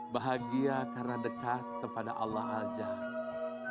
bahagia karena dekat kepada allah al jahe